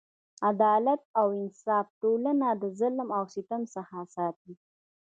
عدالت او انصاف ټولنه له ظلم او ستم څخه ساتي.